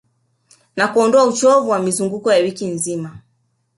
Na kuondoa uchovu wa mizunguko ya wiki nzima